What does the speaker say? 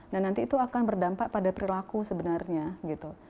dan nanti itu akan berdampak pada perilaku sebenarnya gitu